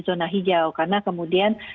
zona hijau karena kemudian